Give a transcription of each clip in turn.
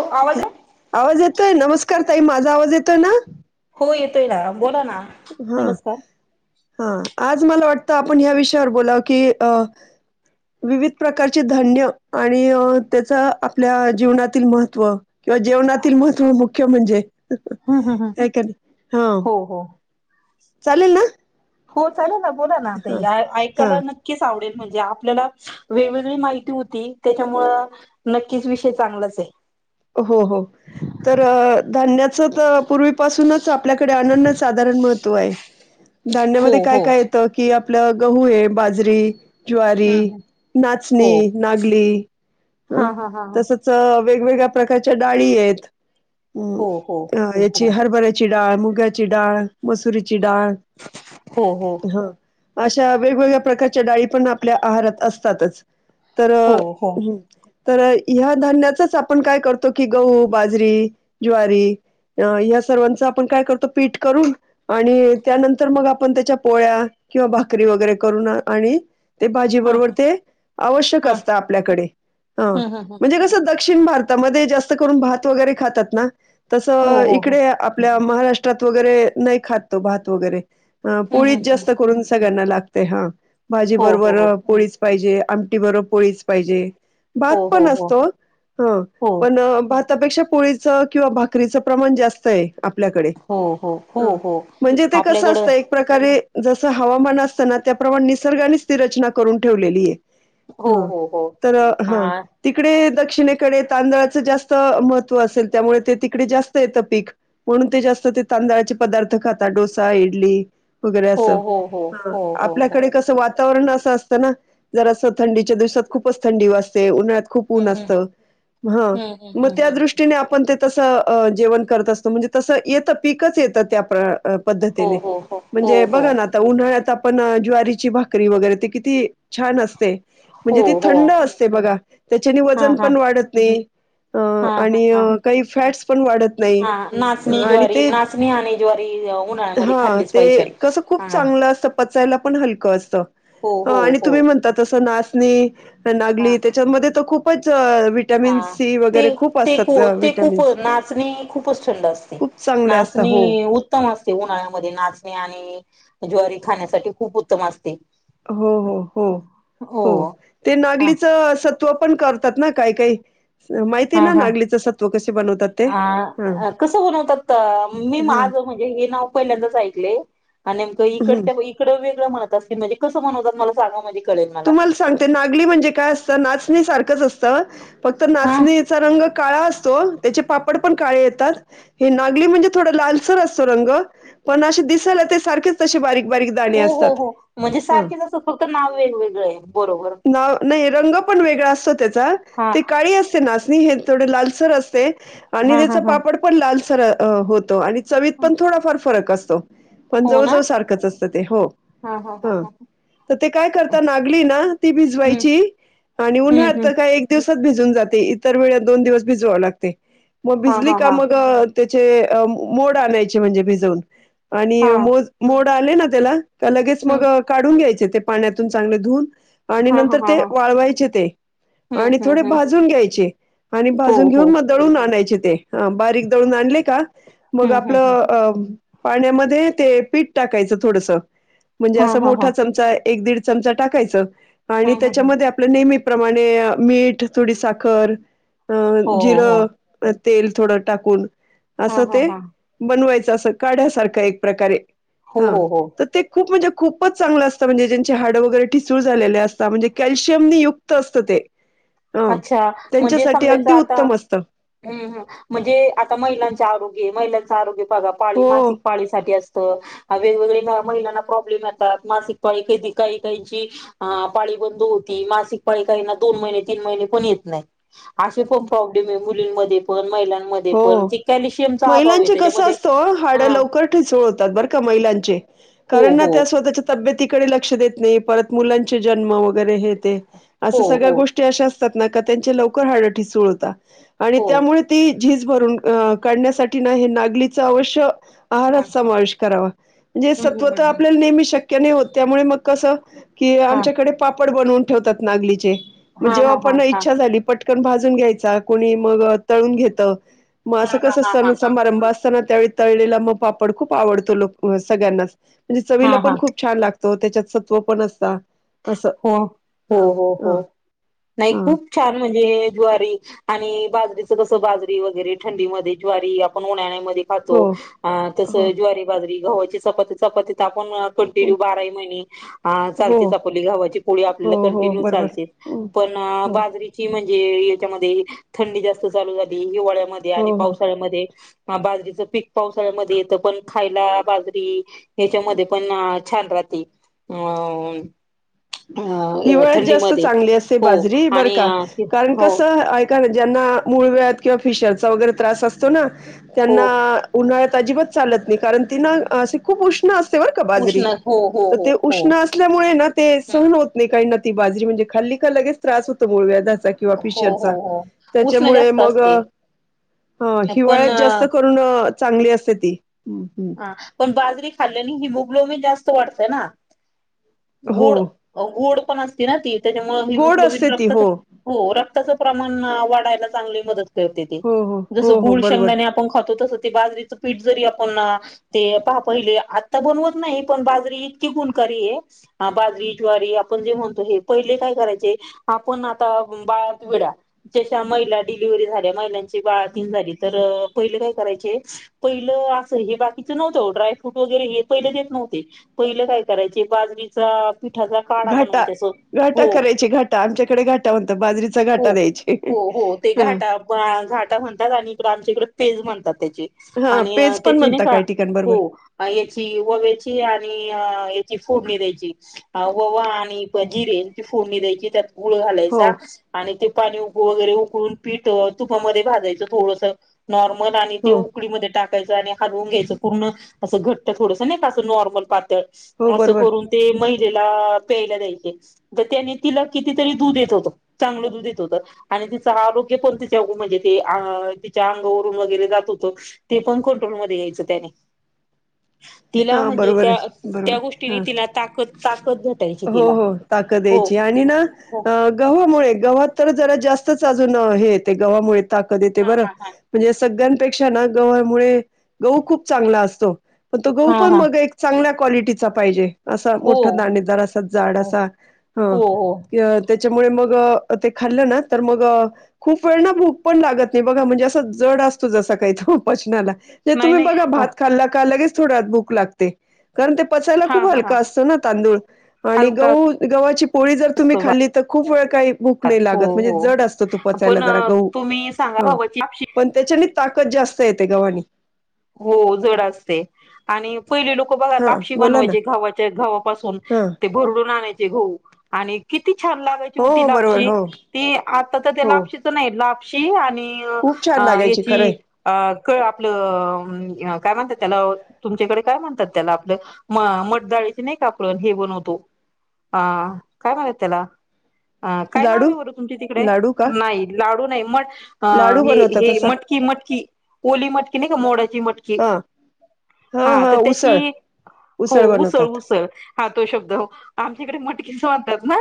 हो आवाज आवाज येतोय नमस्कार ताई माझा आवाज येतोय ना. हो येतोय ना.. बोला ना हा नमस्कार. हा आज मला वाट.. ता आपण ह्या विषयावर बोला की.. विविध प्रकारचे धान्य आणि त्याच आपल्या जीवनातील महत्व.. जेवणतील महव मुख्य म्हणजे हम्म हम्म हम्म. का नाही हा. हो हो. चालेल ना. हो चालेल ना बोला ना हां आता हां ऐकायला नक्कीच आवडेल. म्हणजे आपल्याला वेगवेगळी माहिती होती त्याच्यामुळं नक्कीच विषय चांगलाच आहे. हो हो तर धान्याच तर पूर्वीपासूनच आपल्याकडे अनन साधारण.. महत्व हो धान्यामध्ये काय हो. काय येत की आपलं गहू आहे बाजरी. हम्म ज्वारी हम्म. हो. नाचणी नागली हा हा हा हा. तसच वेगगळ्या प्रकारच्या डाळी आहेत. हो हो हरभऱ्याची डाळ, मुगाची डाळ, मसुरीची डाळ हो ह अशा वेगवेगळ्या प्रकारच्या डाळी पण आपल्या आहारात असतातच हो तर् हो हो. तर ह्या धान्याचच आपण काय करतो की गहू बाजरी ज्वारी अ ह्या सर्वांचं आपण काय करतो पीठ करून आणि त्यानंतर मग आपण त्याच्या पोळ्या किंवा भाकरी वगैरे करून आणि ते भाजी हा बरोबर ते आवश्यक हा. असत आपल्याकडे ह हम्म हम्म हम्म. म्हणजे कसं दक्षिण भारतात तात जास्त करून भात वगैरे खातात ना हो तसं हो हो. इकडे आप महाराष्ट्रात वगैरे नाही खातो भात वगैरे हम्म पोळी हम्म हम्म. जास्त करून सगळ्यांना लागत हा भाजी हो हो बरोबर हो पोळीच पाहिजे आमटी बरोबर पोळीच पाहिजे भात हो पण हो हो असतो ह हो पण भातापेक्षा पोळीचं किंवा भाकरीचं प्रमाण जास्त आहे आपल्याकडे हो हो हो हो. म्हणजे ते कसं आपल्याकडं असतं एक प्रकारे. जसं हवामान असताना त्याप्रमाणे निसर्गाने स्थिरचना करून ठेवलेली आहे. हो हा हो हो. तर हा तिकडे दक्षिणेकडे. तांदळाच जास्त महत्व असेल त्यामुळे ते तिकडे जास्त येतं पीक म्हणून ते जास्त ते तांदळाचे. ळाचे पदार्थ खातात डोसा इडली वगैरे हो असं, हो हो हां हो हो हो आपल्याकडे कसं आ. वातावरण असं असतं ना जर असं थंडीच्या दिवसात खूपच थंडी वाजते उन्हाळ. खूप हम्म ऊन हम्म असतं. हम्म हम्म हम्म हम्म त जेवण करत असत म्हणजे तस येत पिकच येत त्या. हो पद्धतीने हो हो म्हणजे हो बघा ना आता उन्हाळ्याचा. पण ज्वारीची भाकरी वगैरे ते किती छान असते. हो म्हणजे ती हो हो थंड असते बघा त्याच्या हा वजन हा पण वाढत नाही. अ हा हा आणि हा काही फॅट्स पण वाढत नाही हा नाचणी आणि ज्वारी ते. नाचणी आणि ज्वारी उन्हाळ्यामध्ये हा खाल्लीच ते पाहिजे कस खूप हा चांगलं असत पचायला पण हलकं असत. हो हो आणि हो तुम्ही म्हणता तस नाचणी हा नागली त्याच्यामध्ये तर खूपच. हा व्हिटॅमिन सी ते वगैरे खूप ते खू असतात अ, ते खूप व्हिटॅमिन्स. नाचणी खूपच थंड असते खूप चांगले नाच. असतात. चणी हो. उत्तम असते उन्हाळ्यामध्ये नाचणे आणि ज्वारी खाण्यासाठी खूप उत्तम असते. हो हो हो हो ते हा नागलीच तव पण करतात ना काही काही माहिती हा ना हा नागलीचं सत्व कसे बनवतात. ते? हां, अ कसं बनवतात मी हां. माज म्हणजे हे नाव पहिल्यांदाच ऐकले. आणि नेमकं हं. इकड इकडे वेगळं म्हणत असतील म्हणजे कसं म्हनवतात मला सांगा म्हणज. तुम्हाला सांगते नागली म्हणजे काय असतं नाचणी सारखंच असतं फक्त हा नाचणीचा रंग. काळा असतो त्याचे पापड पण काळे येतात हे नागली म्हणजे थोड लालसर असतो रंग पण असे दिसेल ते सारखेच तशी बारीक बारीक दाणे हो असतात हो हो म्हणजे सारखेचसं फक्त नाव वेगवेग ना नाही रंग पण वेगळा असतो त्याचा हा ते काळी असते ना हे थो लालसर असते आणि हा त्याच हा हा पापड पण लालसर होत. चवीितत पण थोडफार फरक असतो. पण हो जवळ ना जव सारखंच असतं ते हो हा हा हा ह तर ते काय करत. नागली ना ती हम्म भिजवायची आणि हम्म उन्हात हम्म काय एक दिवस भिजून जाते इतर वे दोन दिवस भिजवा लागते मग हा भिजली हा का हा म त्याचे मोड आणायचे म्हणजे भिजवून आणि हा मो मोड आले ना त्याला का लगेच मग हम्म काढून घ्यायचे ते पाण्यातून चांगले धुून. आणि हा हा नंतर हा ते हा वाळवायचे ते. हम्म आणि थोडे हम्म हम्म भाजून घ्यायचे आणि हो भाजून हो घेऊन मग दळून आणायचे. ह बारीक दळून आणले का मग हम्म हम्म हम्म आपलं अ पाण्यामध्ये ते पीठ टाकायचं थोडस म्हणजे हा असं हा हा मोठा चमचा एक दीड चमचा टाकायच आणि हम्म हम्म हम्म त्याच्यामध्ये आपलं नेहमी प्रमाणे मीठ थोडी साखर अ हो हो हो जिरं, तेल थोडं टाकून हा असं हा ते हा बनवायचं असं काढ्यासारखं एक प्रकारे. हो हा हो हो तर ते खूप म्हणजे खूपच चांगलं असतं म्हणजे. हड वगैरे ठिसूळ झालेले असत म्हणजे कशियम युक्त असत ते. ह अच्छा म्हणजे त्यांच्यासाठी समजायचं अगदी आता उत्तम असतं. हम्म हम म्हणजे आता महिलांच आरोग्य महिलां आरोग्यगा पाळी हो मासिक पाळीसाठी अ वेगवेगळे महिलांना प्रॉब्लेम येतात मासिक पाळी कधी काही काहींची पाळी बंद हो मासिक पाळी काही ना दोन महिने. तीन महिने पण येत नाही पण प्र्लेम मुली पण मला पण. हो कॅल्शियमचा अभाव आहे महिलांचे कस त्याच्यामध्ये असत हड हा लवकर ठचळतात बर का महिलां हो कारण हो त्या स्वतः च्या तब्यती लक्ष देत नाही पर मुलां जन्म वगैरे अस हो सगळ्या हो गोष्टी अशा रत्नाआत्याचे लवकर हारटी चोळता आणि हो त्यामुळे ती झीज भरून अ काढण्यासाठी ना हे नागलीचं अवश्य ह आहारात हम्म समावेश करावा. जे हम्म सत्वता हम्म हम्म. आपल्याला नेहमी शक्य नाही होत त्यामुळे मग कसं कि हा आमच्याकडे पापड बनून ठेवतात नागलीचे हा जेव्हा हा हा पण हा इच्छा झाली पट कोण भाजून घ्यायचा कोणी मग तळून घेतं मग हा अस हा कस हा हा हा सणसमारंभ असतांना त्या तळलेला मग पापड खूप आवतो सगळ्यांनाच म्हणजे हा चवीला हा पण खूप छान लागत. हो त्याच्यात सत्व पण असता. असं. हो हो ह हो हो ह नाही खूप छान म्हणजे द्वारी आणि बाजरीच कस बाजरी वगैरे थंडी मध्ये ज्वारी आपण उन्हाळ्यामध्ये खातो हो आ तस हो ज्वारी बाजरी गव्हाची चपाती चपाती आपुण हो कंटिन्यू बाराही महिने आ हो चालतेच. कुठली गव्हाची पोळी हो आपल्याला हो कन्टिन्यू बरोबर चालते हं, पण हो बाजरीची म्हणजे याच्यामध्ये थंडी जास्त चालू झाली हिवाळ्यामध्ये हो आणि हो पावसाळ्यामध्ये हा बाजरीच पीक पावसाळ्यामध्ये येतं पण खायला बाजरी ह्याच्यामध्ये पण छान राहती. हिवाळ्यात जास्त चांगली असते हो बाजरी बर आणि का, अ कारण हो कस ज्यांना मूळव्याध किंवा फिशरचा वगैरे त्रास असतो ना हो त्यांना उन्हाळ्यात अजिबात चालत कारण ती ना खूप ऊष्ण उष्ण असते बर का बाजरी उष्ण हो हो तर हो ते हो उष्ण असल्यामुळे ना ते हम्म. सहण होत नाही काहीना ती बाजरी म्हणजे खाली की लगेच त्रास होतो मुळव्याध किंवा हो हो फिशरचा हो उष्ण त्याच्यामुळे जास्त मग असते हा पण हिवाळ्यात जास्त अ, करून चांगली असते ती हा पण बाजरी खाल्ल्याने हिमोग्लोबिन जास्त वाढतं ना हो गोड गोड पण असते ना ती त्याच्यामूळ गोड हिमोग्लोबिन असते ती रक्तात हो हो रक्त प्रमाण वााढायला चांगली मदत करते ते हो हो जस हो हो गुळ बरोबर शेंगदाणे आपण खातो तस ते बाजरीचं पीठ जरी आपण ते पहा पहिले आता बनवत नाही पण बाजरी इतकी गुणकारी आहे बाजरी ज्वारी आपण हे म्हणतो हे पेहले काय करायचे आपण आता [unintelligible] डिलिव्हरी झालेल्या महिलांचे बाळतीन झाली तर पहिले काय करायचे पहिलं अस बाळ ति नव्हतं ड्रायफ्रूट वगैरे हे पहिले देत नव्हते पहिलं काय करायचे बाजरीचा पिठाचा काढा घाटा बनवायचे असं घाटा हो करायची घाटा आमच्याकडे घाटा म्हणतात बाजरीचा हो घाटा द्यायची. हो हो ते घाटा घाटा म्हणतात आणि आमच्या इकडे पेच म्हणतात. हा आणि पेज पण त्याची नाही म्हणता का काही ठिकाण हो बरोबर याची वव्याची आणि अ याची फोडणी द्यायची ववा आणि जिरे यांची फोडणी नि द्यायची त्यात गुळ हो घालायचा आणि ते पाणी उकळून वगैरे उकळून पितो तुपामध्ये भाजायचं थोडस नॉर्मल आणि ते हो उकळीमध्ये टाकायचं आणि हलवून घ्यायचं. पूर्ण अस घट्ट थोडस नाही का अस नॉर्मल पातळ हो अस बरोबर करून ते महिलेला प्यायला द्यायचे त्याने तिला किती तरी दुध येत होतं चांगलं दूध येत होतं. आणि तिचा आरोग्य पण तिच्या म्हणजे ते तिच्या अंगावरून वगैरे जात होतं ते पण कंट्रोल मध्ये यायचं त्याने [unintelligible] तिला हा म्हणजे बरोबर त्या आहे बरोबर त्या गोष्टीने हा तिला ताकद ताकद भेटायची हो तिला हो ताकद हो यायची आणि आणि हो ना गव्हामुळे गव्हात तर जरा जास्तच अजून हेे येतयं गव्हामुळे ताकद येते हा बरं हा हा म्हणजे सगळ्यां पेक्ष्या ना गव्हामुळे गहू खूप चांगला असतो पण तो गहू हा पण हा मध्ये एक क्वालिटीचा पाहिजे. असा हो मोठा दाणेदार असा जाड हो असा हा हो हो त्याच्यामुळे मग ते खाल्लं ना तर मग अ खूप वेळ ना भूक पण लागतं नाही बघा म्हणजे अस जड असतो जस आत्ता काय तो उपाशी आला ये नाही तुम्ही नाही बघा हा भात खाल्ला का लगेच थोड्या वेळात भूक लागते. कारण ते पचायला खूप हा हलकं हा असतं ना तांदूळ आणि हलका गहू गव्हाची पोळी जर तुम्ही असतो खाल्ली तर खूप वेळ काही भूक भात नाही हो लागत म्हणजे हो जड असतो तो पचायला पण जरा गहू तुम्ही सांगा गव्हाची पण त्याच्या ताकद जास्त येते गवानी हो जड असते आणि पहिली लोक बघा हा लापशी बोला ना बनवायचे घावाच्या घावापासून हा ते भरडून आणायचे हो आणि किती छान लागायची हो होती ती हो बरोबर लापशी हो ती आता तर ते हो लापशीच नाही लापशी आणि खूप छान लागायची याची खरंय अ का आपलं काय म्हणतात त्याला तुमच्याकडे काय म्हणतात त्याला आपलं मटदााळीचे नाही कापून हे ब ह काय म्हण त्याला अ काय नाव लाडू आहे बरू तुमची तिकडे लाडू का नाही लाडू नाही मट लाडू बनवतात मटकी असं मट मटकी ओली मटकी नाही का मोडाची मटकी हा हा तर त्याची हो उसळ, उसळ हा तो शब्द आमच्याकडे मटकीच म्हणतात ना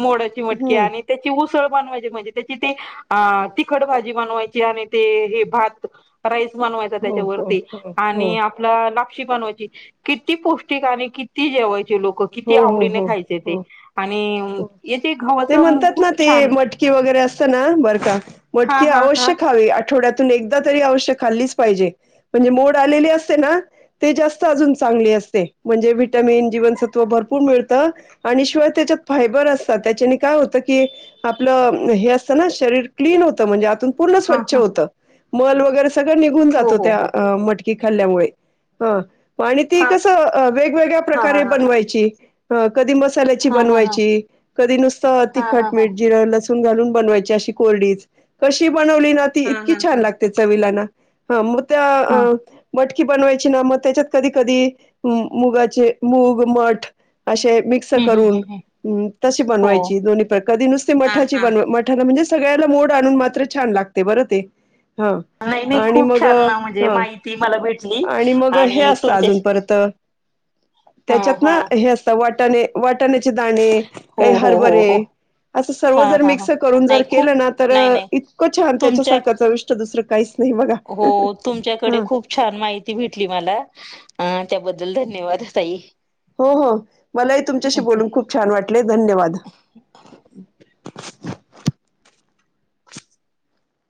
मोडाची मटकी हम्म आणि त्याची उस बनवायचे म्हणजे त्याची ते अ तिखट भाजी बनवायची आणि ते हे भात राईस बनवायचे हो हो हो हो हो आणि आपप बनवायची किती पौष्टिक आणि किती जेवायची लोक किती हो हो आवडीने खायचे ते हो आणि हो ते घवाच म्हणतात खूप ना ते छान मटकी वगैरे असत ना बरका हा मटकी हा हा आवश्य खावी आठवड्यात त अवश्य खाल्लीच पाहिजे म्हणजे मोड आलेली असते ना ते जास्त अजून चांग भरपूर मिळत आणि शिवाय त्याच्यात फायबर असतात त्याच्या काय होत की आप हे असत ना शरीर क्लीन होतं म्हणजे आतून पूर्ण हा स्वच्छ हा होत मल वगैरे सगळं निघून हो जातो हो हो त्या मटकी खाल्ल्यामुळे ह आणि ती हा कस वेगवेगळ्या हा प्रकारे हा बनवायची कधी मसाल्याची हा हा हा बनवायची कधी नुसत हा हा हा तिखट जिरे लसू घालून बनवायची अशी कोरडी कशी बनवली ना ती हा हा इतकी हा छान लागते चवीला ना हा म त्या हा अ मट की बनवायची ना मग त्याच्यात कधी कधी मुगाचे मूग मठ असे मिक्स हम्म हम्म करून हम्म हम तशी बनवायची हो. दोन्ही प्र कधी नुसते हा मठाची हा. बन मठाला म्हणजे सगळ्याला मोड आणून मात्र छान लागते बरं ते हा नाही नाही आणि खूप मग छान ना म्हणजे हा माहिती मला भेटली आणि मग हे आणि असतं तुमच्याशी अजूनपर्यंत हा, हा असत वाटाणे वाटाण्याचे दाणे हो काही हो हो हो हरभरे असं सर्व हा जर हा हा मिक्स करून जर नाही खूप केलं ना तर नाही नाही इतकं छान तुमच्या त्याच्यासारखं चविष्ट दुसरं काहीच नाही बघा हो तुमच्याकडे हा खूप छान माहिती भेटली मला त्याबद्ल बदल धन्यवाद ताई! हो हो मलाही तुमच्याशी ओके. बोलून खूप छान वाटले धन्यवाद! थ